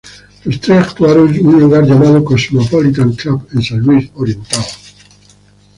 Los tres actuaron en un lugar llamado "Cosmopolitan Club" en San Luis Oriental.